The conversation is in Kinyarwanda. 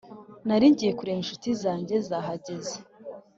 nari ngiye kureba inshuti zanjye zahajyeze